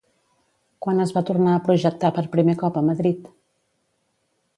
Quan es va tornar a projectar per primer cop a Madrid?